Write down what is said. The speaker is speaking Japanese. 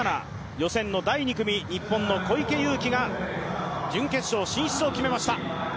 予選の第２組、日本の小池祐貴が準決勝進出を決めました。